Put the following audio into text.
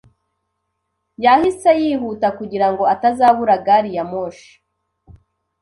Yahise yihuta kugira ngo atazabura gari ya moshi.